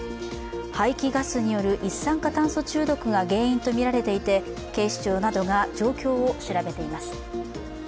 排気ガスによる一酸化炭素中毒が原因とみられていて警視庁などが状況を調べています。